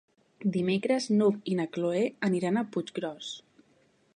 Dimecres n'Hug i na Cloè aniran a Puiggròs.